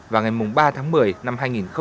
vào ngày ba tháng một mươi năm hai nghìn một mươi chín